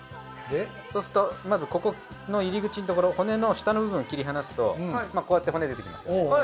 そうするとまずここの入り口のところ骨の下の部分を切り離すとこうやって骨出てきますよね。